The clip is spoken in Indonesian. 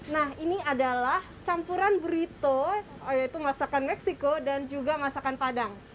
nah ini adalah campuran burito yaitu masakan meksiko dan juga masakan padang